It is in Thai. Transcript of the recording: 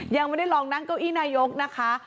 ยังไม่ได้ลองนั่งเก้าอี้นายกนะคะ